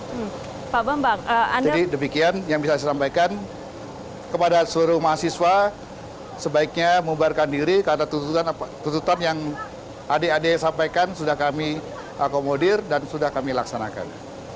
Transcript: jadi demikian yang bisa saya sampaikan kepada seluruh mahasiswa sebaiknya membaharkan diri karena tutupan yang adik adik sampaikan sudah kami akomodir dan sudah kami laksanakan